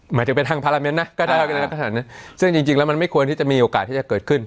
หมายถึงเป็นทางพาราเมนซึ่งจริงแล้วมันไม่ควรที่จะมีโอกาสที่จะเกิดขึ้น